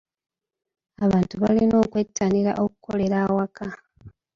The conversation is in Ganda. Abantu balina okwettanira okukolera awaka.